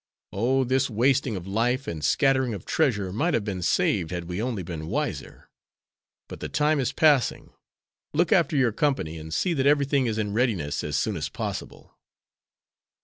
Oh, this wasting of life and scattering of treasure might have been saved had we only been wiser. But the time is passing. Look after your company, and see that everything is in readiness as soon as possible."